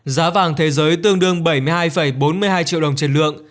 giá vàng thế giới tương đương bảy mươi hai bốn mươi hai triệu đồng trên lượng